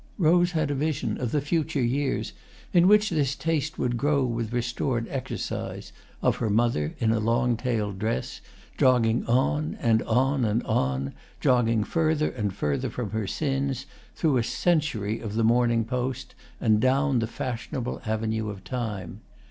Rose had a vision of the future years in which this taste would grow with restored exercise—of her mother, in a long tailed dress, jogging on and on and on, jogging further and further from her sins, through a century of the "Morning Post" and down the fashionable avenue of time.